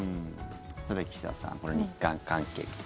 岸田さん、日韓関係。